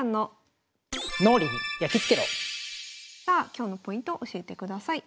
それではさあ今日のポイント教えてください。